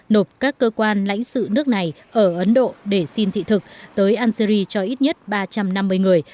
nộp các cơ quan lãnh sự nước này ở ấn độ để xin thị thực tới algeria cho ít nhất ba trăm năm mươi người